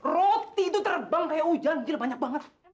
roti itu terbang kayak hujan jadi banyak banget